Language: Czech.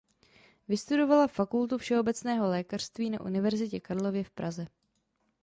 Vystudovala Fakultu všeobecného lékařství na Univerzitě Karlově v Praze.